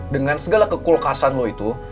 dengan segala kekulkasan lo itu